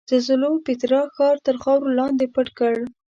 زلزلو پیترا ښار تر خاورو لاندې پټ کړ.